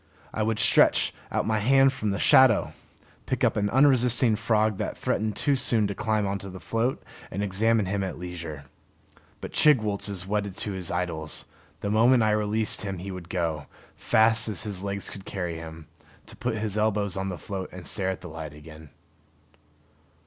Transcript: I would stretch out my hand from the shadow, pick up an unresisting frog that threatened too soon to climb onto the float, and examine him at leisure. But Chigwooltz is wedded to his idols; the moment I released him he would go, fast as his legs could carry him, to put his elbows on the float and stare at the light again.